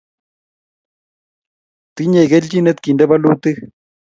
tinyei kelchinet kinde bolutik